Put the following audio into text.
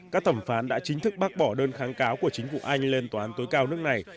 các thẩm phán đã chính thức bác bỏ đơn kháng cáo của chính phủ anh lên tòa án tối cao nước này